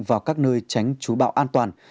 vào các nơi tránh chú bão an toàn